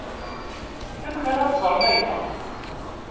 Amek ara teẓrem aya?